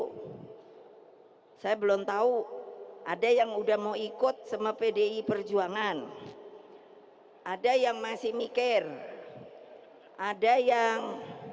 hai saya belum tahu ada yang udah mau ikut sama pdi perjuangan ada yang masih mikir ada yang